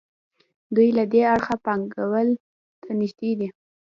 دوی له دې اړخه پانګوال ته نږدې دي.